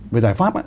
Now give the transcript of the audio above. về giải pháp á